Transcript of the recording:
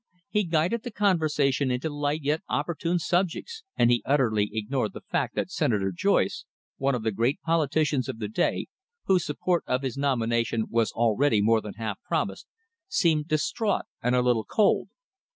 He guided the conversation into light yet opportune subjects, and he utterly ignored the fact that Senator Joyce, one of the great politicians of the day, whose support of his nomination was already more than half promised, seemed distrait and a little cold.